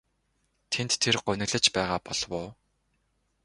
Тэнд тэр гуниглаж байгаа болов уу?